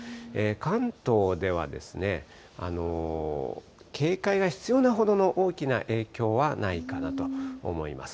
関東では警戒が必要なほどの大きな影響はないかなと思います。